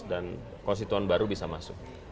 dan konstituen baru bisa masuk